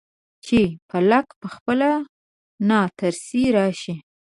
چې فلک پخپله ناترسۍ راشي.